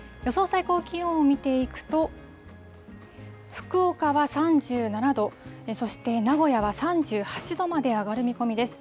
最高気温を見ていくと、福岡は３７度、そして名古屋は３８度まで上がる見込みです。